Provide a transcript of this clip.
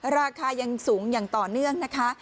ราคายังสูงอย่างต่อเนื่องนะคะ